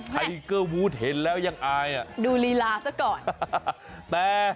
ไฮเกอร์วูดเห็นแล้วยังอายดูลีลาซะก่อนแต่